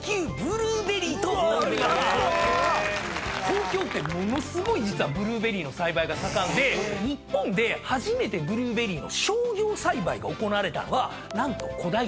東京ってものすごい実はブルーベリーの栽培が盛んで日本で初めてブルーベリーの商業栽培が行われたのは何と小平。